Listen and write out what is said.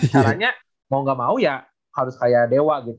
caranya mau gak mau ya harus kayak dewa gitu